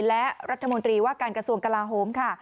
และรัฐมนตรีว่าการกระทรวงกลาโฮมค่ะ